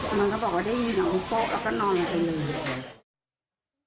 อาม่าก็บอกว่าได้ยินว่ากูโป๊ะแล้วก็นอนเลย